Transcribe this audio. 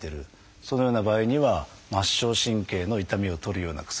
そのような場合には末梢神経の痛みを取るような薬。